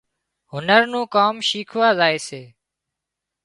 هنر نُون ڪام شيکوا زائي سي